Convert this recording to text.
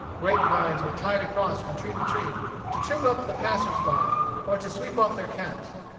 Grape vines were tied across from tree to tree, to trip up the passers by or to sweep off their caps.